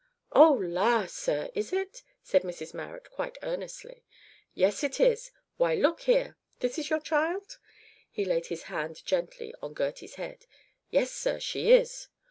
"Oh la! sir, is it?" said Mrs Marrot, quite earnestly. "Yes, it is. Why, look here this is your child?" He laid his hand gently on Gertie's head. "Yes, sir, she is."